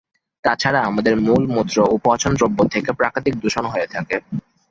তাছাড়া আমাদের মলমুত্র ও পচনদ্রব্য থেকে প্রাকৃতিক দূষণ হয়ে থাকে।